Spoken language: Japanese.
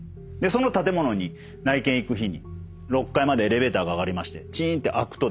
その建物に内見行く日に６階までエレベーターが上がりましてチーンって開くとですね